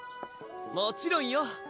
もちろんよ！